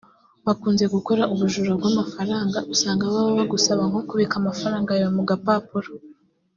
bakunze gukora ubujura bw’amafaranga usanga baba bagusaba nko kubika amafaranga yawe mu gapapuro